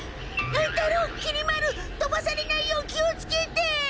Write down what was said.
乱太郎きり丸とばされないよう気をつけて！